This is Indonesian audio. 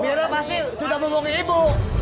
mirna pasti sudah berbohongi ibu